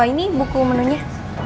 ini buku menunya